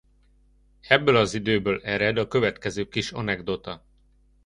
Ebből az időből ered a következő kis anekdota.